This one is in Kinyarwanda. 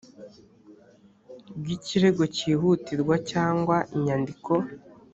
bw ikirego cyihutirwa cyangwa inyandiko